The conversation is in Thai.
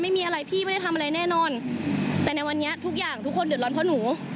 ไม่มีอะไรพี่ไม่ได้ทำอะไรแน่นอนแต่ในวันนี้ทุกอย่างทุกคนเดือดร้อนเพราะหนู